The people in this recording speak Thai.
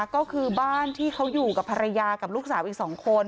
ก็คือบ้านที่เขาอยู่กับภรรยากับลูกสาวอีก๒คน